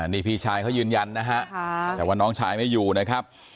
นี่พี่ชายเขายืนยันนะฮะแต่ว่าน้องชายไม่อยู่นะครับ